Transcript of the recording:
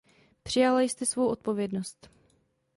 Přijala jste svou odpovědnost.